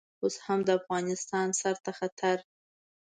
اوس هم د افغانستان سر ته خطر.